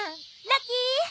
ラッキー！